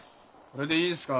これでいいですか？